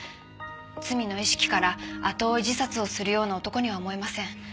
罪の意識から後追い自殺をするような男には思えません。